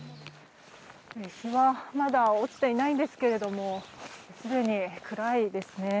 日はまだ落ちていないんですけれどすでに暗いですね。